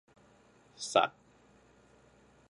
สัตว์